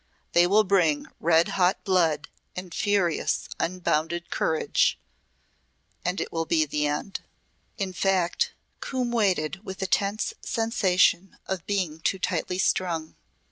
They will bring red hot blood and furious unbounded courage And it will be the end." In fact Coombe waited with a tense sensation of being too tightly strung.